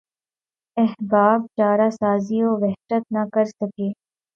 احباب چارہ سازی وحشت نہ کر سکے